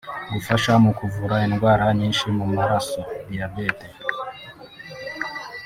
Gufasha mu kuvura indwara nyinshi mu maraso (Diabetes)